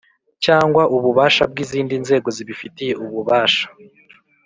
cyangwa ububasha bw izindi nzego zibifitiye ububasha